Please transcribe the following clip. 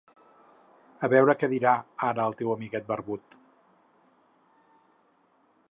A veure què dirà, ara, el teu amiguet barbut!